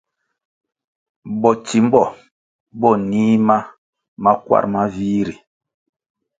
Botsimbo bo nih ma makwar ma vih ri.